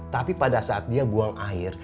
tapi pada saat dia buang air